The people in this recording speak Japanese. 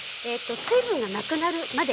水分がなくなるまで。